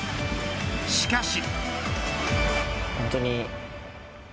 しかし。